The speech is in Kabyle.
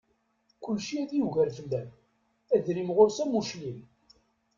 Kulci ad yagar fell-am, adrim ɣur-s am uclim.